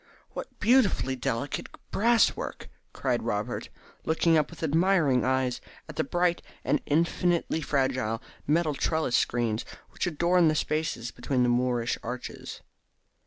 "What beautifully delicate brass work!" cried Robert, looking up with admiring eyes at the bright and infinitely fragile metal trellis screens which adorned the spaces between the Moorish arches.